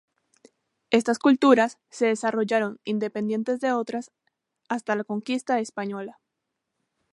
Estas culturas se desarrollaron independientes de otras hasta la conquista española.